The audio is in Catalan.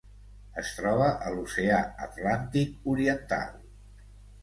Es troba a l'Oceà Atlàntic oriental: